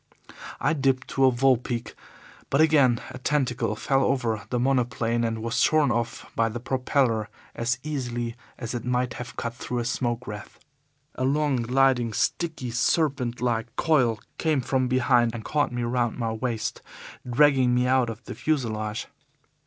I dipped to a vol pique, but again a tentacle fell over the monoplane and was shorn off by the propeller as easily as it might have cut through a smoke wreath. A long, gliding, sticky, serpent like coil came from behind and caught me round the waist, dragging me out of the fuselage.